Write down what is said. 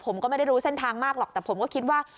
ผมก็ไม่ได้รู้เส้นทางมากหรอกแต่ผมก็คิดว่า